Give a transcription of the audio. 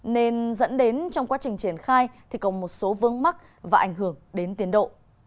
nên dẫn đến trong quá trình triển khai thì có một số vương mắc và ảnh hưởng đến tiến độ